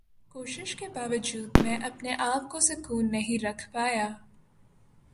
کوشش کے باوجود میں اپنے آپ کو سکون نہیں رکھ پایا۔